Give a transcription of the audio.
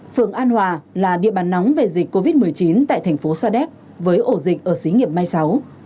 phường an hòa là địa bàn nóng về dịch covid một mươi chín tại thành phố sa đéc với ổ dịch ở xí nghiệp mai sáu